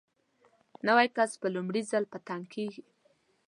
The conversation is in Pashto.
نوی کس په لومړي ځل په تنګ کېږي.